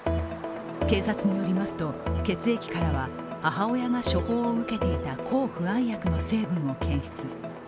警察によりますと血液からは母親が処方を受けていた抗不安薬を検出。